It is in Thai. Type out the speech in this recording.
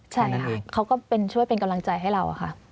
ใช่ค่ะเขาก็ช่วยเป็นกำลังใจให้เราค่ะ